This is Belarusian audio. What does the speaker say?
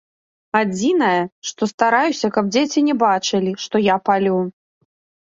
Адзінае, што стараюся, каб дзеці не бачылі, што я палю.